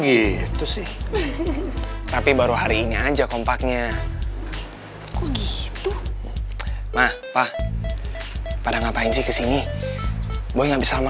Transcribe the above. gitu sih tapi baru hari ini aja kompaknya ongi itu ma heav pada ngapain sih kesinibo vorbeian selama